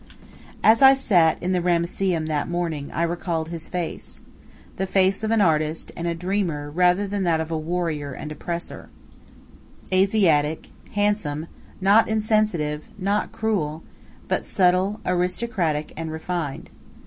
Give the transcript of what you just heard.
As I sat in the Ramesseum that morning, I recalled his face the face of an artist and a dreamer rather than that of a warrior and oppressor; Asiatic, handsome, not insensitive, not cruel, but subtle, aristocratic, and refined.